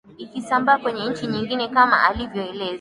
ikasambaa kwenye nchi nyingine kama anavyoeleza